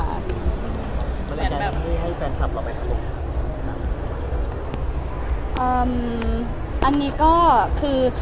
อันนี้ก็คือ